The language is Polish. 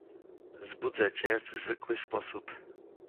"Zbudzę cię w zwykły sposób."